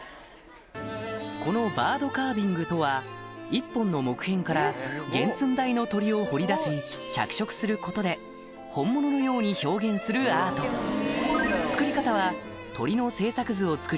このバードカービングとは１本の木片から原寸大の鳥を彫り出し着色することで作り方は鳥の制作図を作り